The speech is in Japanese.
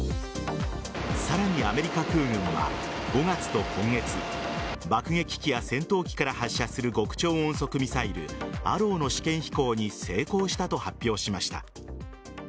さらにアメリカ空軍は５月と今月爆撃機や戦闘機から発射する極超音速ミサイルＡＲＲＷの試験飛行に成功したと発表しました。